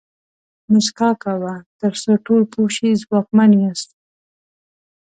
موسکا کوه تر څو ټول پوه شي ځواکمن یاست.